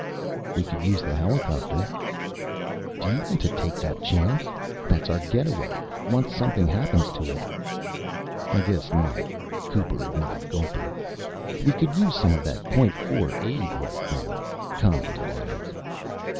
"We could use the helicopter." "Do you want to take the chance? That's our getaway. Once something happens to it...." "I guess not," Cooper admitted, gulping. "We could use some of that Point Four aid right now," commented Adams.